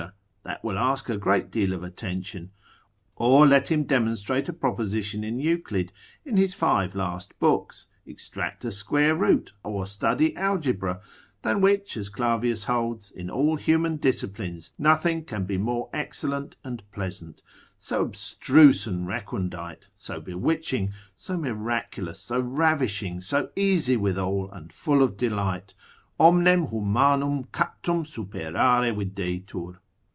that will ask a great deal of attention: or let him demonstrate a proposition in Euclid, in his five last books, extract a square root, or study Algebra: than which, as Clavius holds, in all human disciplines nothing can be more excellent and pleasant, so abstruse and recondite, so bewitching, so miraculous, so ravishing, so easy withal and full of delight, omnem humanum captum superare videtur.